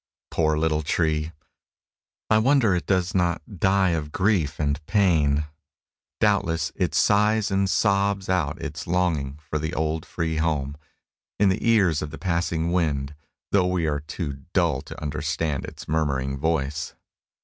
Poor little tree! I wonder it does not die of grief and pain! Doubtless, it sighs and sobs out its longing for the old free home, in the ears of the passing wind, though we are too dull to understand its murmuring voice.